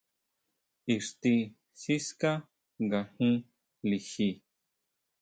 Ixti siská nga jin liji.